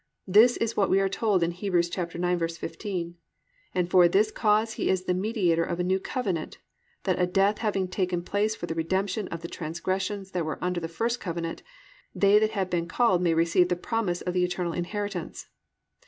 This is what we are told in Heb. 9:15, +"And for this cause He is the mediator of a new covenant, that a death having taken place for the redemption of the transgressions that were under the first covenant, they that have been called may receive the promise of the eternal inheritance."